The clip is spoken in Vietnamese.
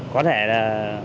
có thể là